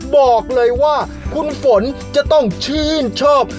บอกเลยว่าคุณฝนจะต้องชื่นชอบ